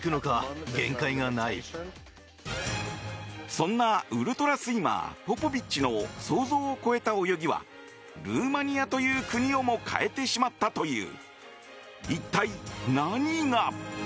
そんなウルトラスイマーポポビッチの想像を超えた泳ぎはルーマニアという国をも変えてしまったという。